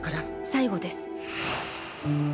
最後です。